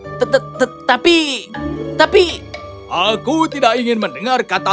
dia segera memerintahkan para penjaga untuk menghukum pengembara itu